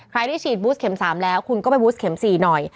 ที่ฉีดบูสเข็ม๓แล้วคุณก็ไปบูสเข็ม๔หน่อย